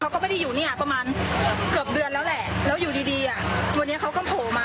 เขาก็ไม่ได้อยู่เนี่ยประมาณเกือบเดือนแล้วแหละ